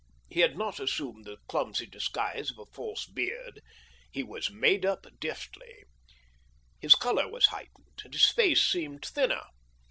He had not assumed the clumsy disguise of a false beard. He was " made up " deftly. His colour was heightened, and his face seemed thinner.